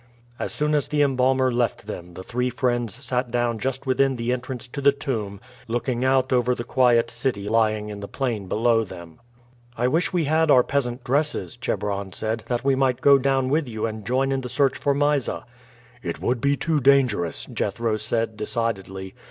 As soon as the embalmer left them the three friends sat down just within the entrance to the tomb, looking out over the quiet city lying in the plain below them. "I wish we had our peasant dresses," Chebron said, "that we might go down with you and join in the search for Mysa." "It would be too dangerous," Jethro said decidedly.